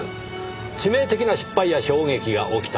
致命的な失敗や衝撃が起きた。